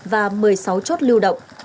và một mươi sáu chốt lưu động